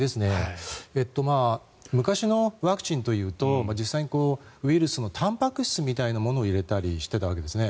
昔のワクチンというと実際にウイルスのたんぱく質みたいなものを入れたりしていたわけですね。